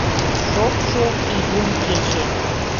Шокшо июнь кече.